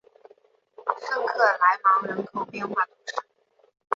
圣克莱芒人口变化图示